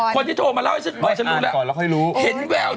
คนที่โทรมาเล่าให้ฉันรู้แล้ว